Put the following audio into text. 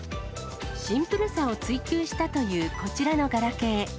シンプルさを追求したというこちらのガラケー。